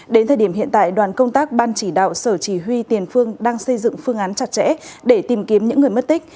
đến thời điểm hiện tại đoàn công tác ban chỉ đạo sở chỉ huy tiền phương đang xây dựng phương án chặt chẽ để tìm kiếm những người mất tích